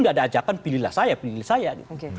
gak ada ajakan pilihlah saya pilih saya gitu